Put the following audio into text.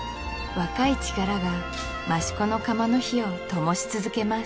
若い力が益子の窯の火をともし続けます